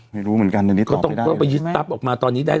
ไม่รู้เหมือนกันแต่ที่นี้ตอบได้ได้